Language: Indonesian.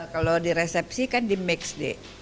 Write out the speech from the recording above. kalau di resepsi kan di mix day